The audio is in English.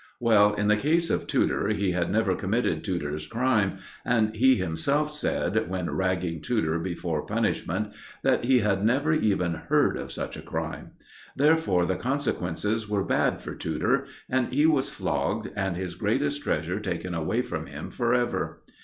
Well, in the case of Tudor, he had never committed Tudor's crime, and he himself said, when ragging Tudor before punishment, that he had never even heard of such a crime. Therefore the consequences were bad for Tudor, and he was flogged and his greatest treasure taken away from him for ever.